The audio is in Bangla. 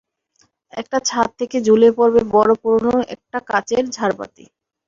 আর ছাদ থেকে ঝুলে পড়বে বড় পুরানো একটা কাঁচের ঝাড়বাতি!